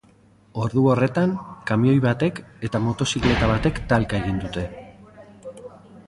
Ordu horretan, kamioi batek eta motozikleta batek talka egin dute.